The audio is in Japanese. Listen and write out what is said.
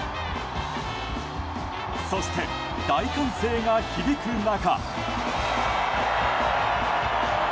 そして、大歓声が響く中。